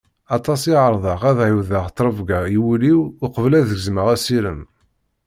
Aṭas i ɛerḍeɣ ad ɛiwdeɣ ttrebga i wul-iw uqbel ad gezmeɣ asirem.